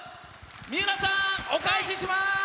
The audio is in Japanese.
水卜さん、お返しします。